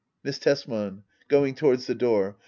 Miss Tesman. [Going towards the door.